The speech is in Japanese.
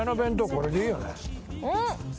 これでいいよねうん！